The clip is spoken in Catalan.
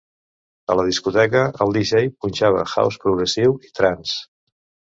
A la discoteca el DJ punxava house progressiu i trance.